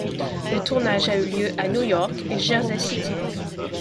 Le tournage a eu lieu à New York et Jersey City.